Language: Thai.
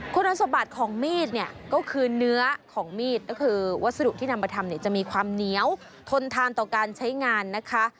คุณสมบัติของมีดเนี่ยก็คือเนื้อของมีดก็คือวัสดุที่นำมาทำเนี่ยจะมีความเหนียวทนทานต่อการใช้งานนะคะ